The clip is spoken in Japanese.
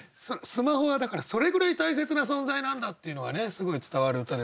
スマホはだからそれぐらい大切な存在なんだっていうのがねすごい伝わる歌ですけれど。